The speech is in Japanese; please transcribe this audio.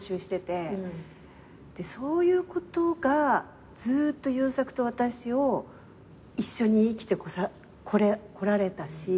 そういうことがずっと優作と私を一緒に生きてこられたし。